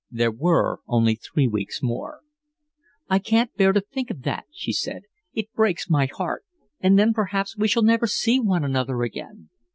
There were only three weeks more. "I can't bear to think of that," she said. "It breaks my heart. And then perhaps we shall never see one another again."